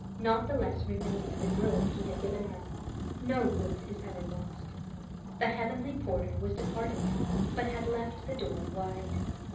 Not the less remained the good he had given her. No good is ever lost. The heavenly porter was departed, but had left the door wide.